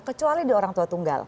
kecuali di orang tua tunggal